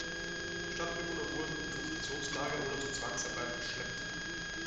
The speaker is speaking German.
Stadtbewohner wurden in Konzentrationslager oder zur Zwangsarbeit verschleppt.